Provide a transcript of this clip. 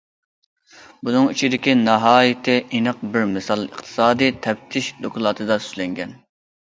بۇنىڭ ئىچىدىكى ناھايىتى ئېنىق بىر مىسال ئىقتىسادى تەپتىش دوكلاتىدا سۆزلەنگەن.